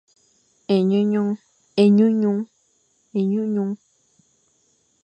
Enyunyung.